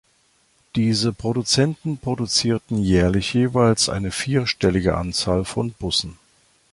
Diese Produzenten produzierten jährlich jeweils eine vierstellige Anzahl von Bussen.